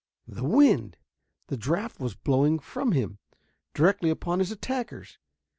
The wind! The draft was blowing from him, directly upon his attackers.